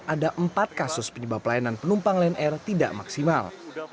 ada empat kasus penyebab pelayanan penumpang lion air tidak maksimal